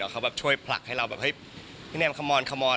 เขาช่วยผลักให้เราพี่แนมเริ่มกันเริ่มกัน